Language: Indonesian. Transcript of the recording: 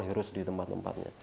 hirus di tempat tempatnya